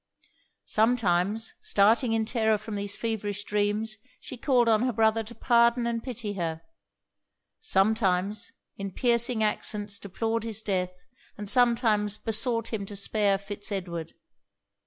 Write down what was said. Sometimes, starting in terror from these feverish dreams, she called on her brother to pardon and pity her; sometimes in piercing accents deplored his death, and sometimes besought him to spare Fitz Edward.